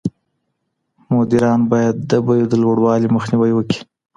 مدیران باید د بیو د لوړوالي مخنیوی وکړي.